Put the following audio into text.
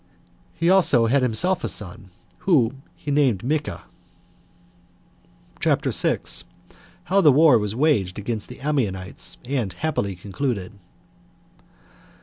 He also had himself a son, whom he named Micha. CHAPTER 6. How The War Was Waged Against The Ammonites And Happily Concluded.